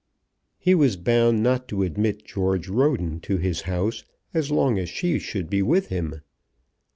He was bound not to admit George Roden to his house as long as she should be with him.